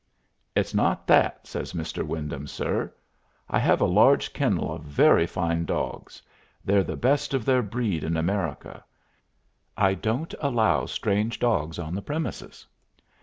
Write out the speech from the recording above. "It's not that," says "Mr. Wyndham, sir." "I have a large kennel of very fine dogs; they're the best of their breed in America. I don't allow strange dogs on the premises."